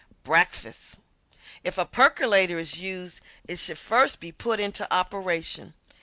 ~Breakfast~ If a percolator is used it should first be put into operation.